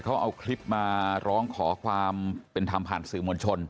เขาเอาคลิปมาร้องขอความเป็นธรรมผ่านสื่อมวลชน